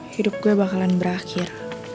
hidup gue bakalan berakhir